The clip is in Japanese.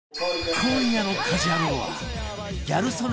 今夜の『家事ヤロウ！！！』はギャル曽根